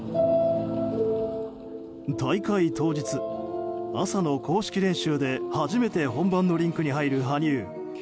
大会当日、朝の公式練習で初めて本番のリンクに入る羽生。